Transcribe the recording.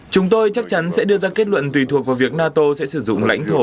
chúng tôi chắc chắn sẽ đưa ra kết luận tùy thuộc vào việc nato sẽ sử dụng lãnh thổ